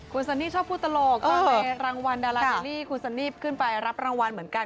คุณซันนี่ชอบพูดตลกก็มีรางวัลดาราซิลลี่คุณซันนี่ขึ้นไปรับรางวัลเหมือนกัน